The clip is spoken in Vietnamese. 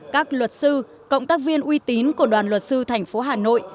các luật sư cộng tác viên uy tín của đoàn luật sư thành phố hà nội